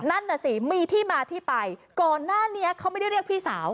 นั่นน่ะสิมีที่มาที่ไปก่อนหน้านี้เขาไม่ได้เรียกพี่สาว